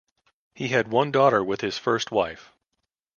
He had one daughter with his first wife.